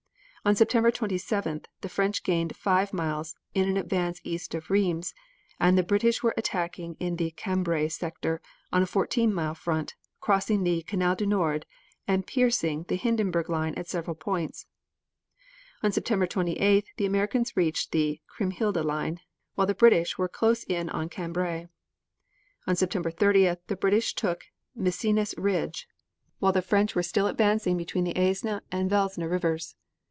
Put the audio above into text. On September 27th, the French gained five miles in an advance east of Rheims, and the British were attacking in the Cambrai sector on a fourteen mile front, crossing the Canal du Nord and piercing the Hindenburg line at several points. On September 28th, the Americans reached the Kriemhilde line, while the British were close in on Cambrai. On September 30th, the British took Messines Ridge, while the French were still advancing between the Aisne and Vesle Rivers.